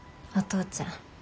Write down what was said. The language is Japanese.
父ちゃん